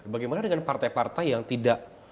bagaimana dengan partai partai yang tidak